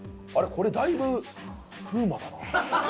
これだいぶ風磨だな。